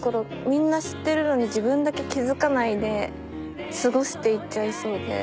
みんな知ってるのに自分だけ気づかないで過ごしていっちゃいそうで。